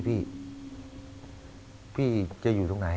พี่พี่จะอยู่ตรงไหน